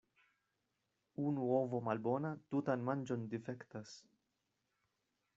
Unu ovo malbona tutan manĝon difektas.